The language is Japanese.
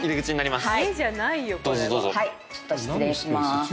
ちょっと失礼しまーす。